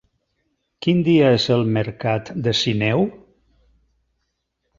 Quin dia és el mercat de Sineu?